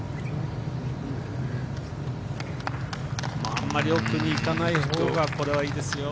あんまり奥にいかないほうがこれはいいですよ。